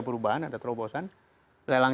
perubahan ada terobosan lelang